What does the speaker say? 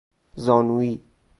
زانویی